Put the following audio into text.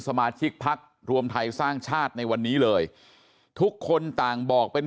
สมาชิกพักรวมไทยสร้างชาติในวันนี้เลยทุกคนต่างบอกเป็น